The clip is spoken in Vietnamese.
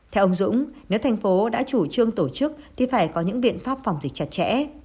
theo ông dũng nếu thành phố đã chủ trương tổ chức thì phải có những biện pháp phòng dịch chặt chẽ